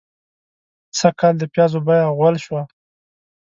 سږکال د پيازو بيه غول شوه.